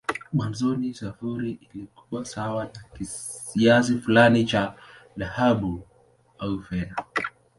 Mwanzoni sarafu ilikuwa sawa na kiasi fulani cha dhahabu au fedha.